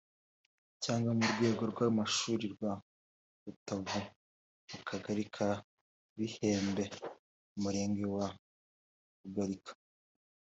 cyangwa mu Rwunge rw’amashuri rwa Rutovu mu Kagari ka Bihembe mu Murenge wa Rugarika